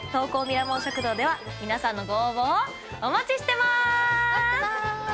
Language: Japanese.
ミラモン食堂では皆さんのご応募をお待ちしてます！